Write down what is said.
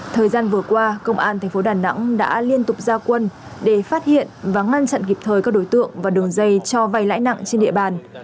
thời gian vừa qua công an thành phố đà nẵng đã liên tục ra quân để phát hiện và ngăn chặn kịp thời các đối tượng và đường dây cho vay lãnh nặng trên địa bàn